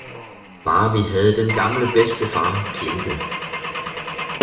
Bare vi havde den gamle bedstefader klinket